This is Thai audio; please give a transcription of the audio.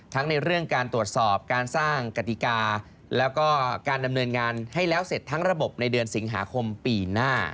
ในเรื่องการตรวจสอบการสร้างกติกาแล้วก็การดำเนินงานให้แล้วเสร็จทั้งระบบในเดือนสิงหาคมปีหน้า